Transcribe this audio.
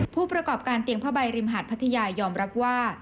ผู้ประกอบการเตียงผ้าใบริมหาดพัทยายอมรับว่า